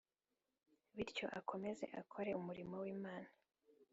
bityo akomeze akore umurimo w’imana